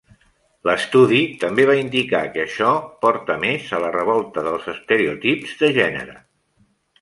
L'estudi també va indicar que això porta més a la revolta dels estereotips de gènere.